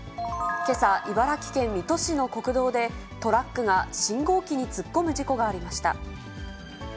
けさ、茨城県水戸市の国道で、トラックが信号機に突っ込む事故がありました。